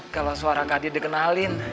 kalau suara kak adit dikenalin